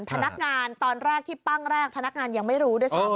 พนักงานตอนแรกที่ปั้งแรกพนักงานยังไม่รู้ด้วยซ้ำ